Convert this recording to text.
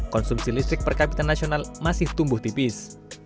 konsumsi listrik per kapita nasional masih tumbuh tipis